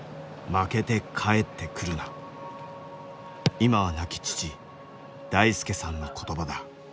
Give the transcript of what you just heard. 今は亡き父大輔さんの言葉だ。